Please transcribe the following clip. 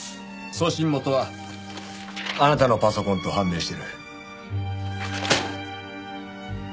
送信元はあなたのパソコンと判明してる。